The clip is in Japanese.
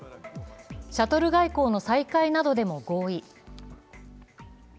シャトル外交の再開などでも合意。